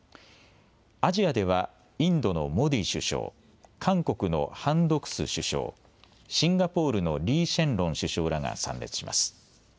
アジアではインドのモディ首相、韓国のハン・ドクス首相、シンガポールのリー・シェンロン首相らが参列します。